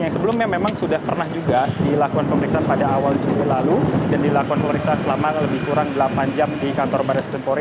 yang sebelumnya memang sudah pernah juga dilakukan pemeriksaan pada awal juku lalu dan dilakukan pemeriksaan selama lebih kurang delapan jam di kantor barat skrimpori